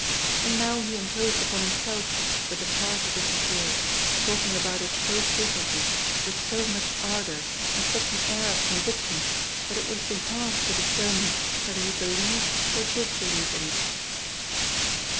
And now he imposed upon himself with the farce of this cure, talking about it so frequently, with so much ardor and such an air of conviction that it would have been hard to determine whether he believed or disbelieved in it.